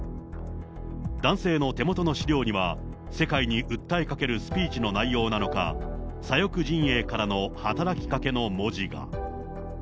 男性の手元の資料には、世界に訴えかけるスピーチの内容なのか、左翼陣営からの働きかけの文字が。